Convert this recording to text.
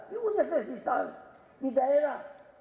ini punya sisi salah di daerah